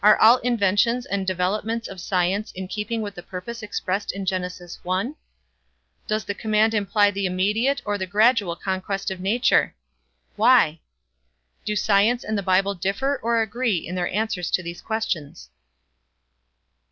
Are all inventions and developments of science in keeping with the purpose expressed in Genesis 1? Does the command imply the immediate or the gradual conquest of nature? Why? Do science and the Bible differ or agree in their answers to these questions?